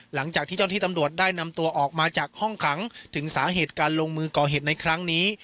หลังจากที่เจ้าหน้าที่ตำรวจได้นำตัวออกมาจากห้องขังถึงสาเหตุการลงมือก่อเหตุในครั้งนี้